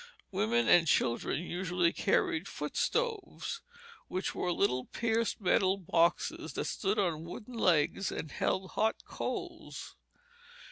Women and children usually carried foot stoves, which were little pierced metal boxes that stood on wooden legs, and held hot coals.